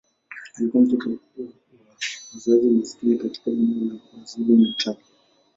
Alikuwa mtoto wa wazazi maskini katika eneo la KwaZulu-Natal.